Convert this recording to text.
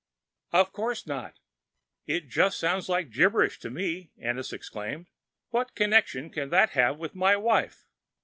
"Of course not it just sounds like gibberish to me," Ennis exclaimed. "What connection can it have with my wife?"